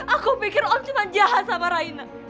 aku pikir om cuma jahat sama raina